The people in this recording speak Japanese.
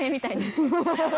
ハハハハ！